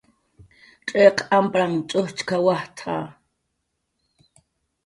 "cx'iq ampranhn ch'ujchk""awt""a "